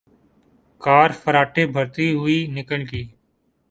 کار فراٹے بھرتی ہوئے نکل گئی